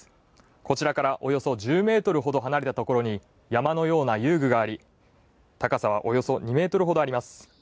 こちらからおよそ１０ｍほど離れたところに山のような遊具があり高さはおよそ２ｍほどあります。